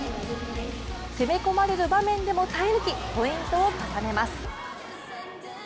攻め込まれる場面でも耐え抜き、ポイントを重ねます。